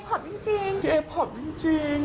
พี่เอฟผอมจริง